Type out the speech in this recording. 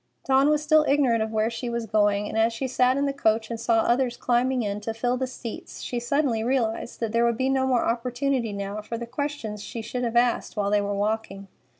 Dawn was still ignorant of where she was going, and as she sat in the coach and saw others climbing in to fill the seats, she suddenly realized that there would be no more opportunity now for the questions she should have asked while they were walking.